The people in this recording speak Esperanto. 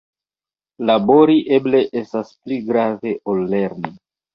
Labori eble estas pli grave ol lerni.